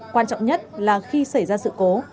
quan trọng nhất là khi xảy ra sự cố